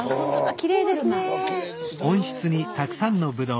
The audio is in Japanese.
きれいですね。